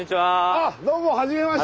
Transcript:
あっどうもはじめまして。